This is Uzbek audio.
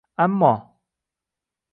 Ammo